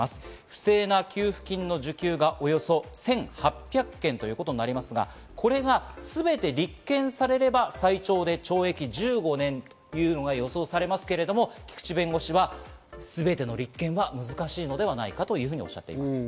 不正な給付金の受給がおよそ１８００件ということになりますが、これがすべて立件されれば、最長で懲役１５年と予想されますけれども、菊地弁護士は全ての立件は難しいのではないかと、おっしゃっています。